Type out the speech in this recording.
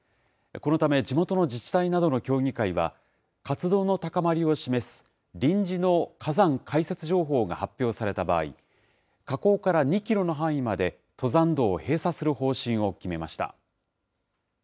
このため地元の自治体などの協議会は、活動の高まりを示す臨時の火山解説情報が発表された場合、火口から２キロの範囲まで、登山道を閉鎖する方針を決めました。